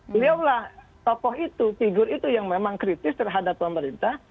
beliau lah tokoh itu figur itu yang memang kritis terhadap pemerintah